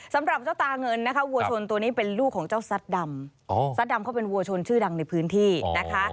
สำหรับเจ้าตาเงินนะคะวัวชนตัวนี้เป็นลูกของเจ้าซัดดำซัดดำเขาเป็นวัวชนชื่อดังในพื้นที่นะคะ